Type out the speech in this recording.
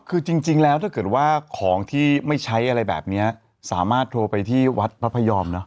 คือจริงแล้วถ้าเกิดว่าของที่ไม่ใช้อะไรแบบนี้สามารถโทรไปที่วัดพระพยอมนะ